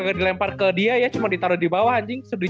nggak dilempar ke dia ya cuma ditaruh di bawah anjing